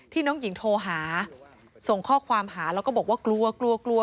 น้องหญิงโทรหาส่งข้อความหาแล้วก็บอกว่ากลัวกลัว